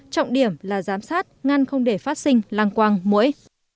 trọng điểm là giám sát ngăn không để phát sinh lang quang mũi